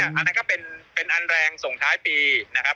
อันนั้นก็เป็นอันแรงส่งท้ายปีนะครับ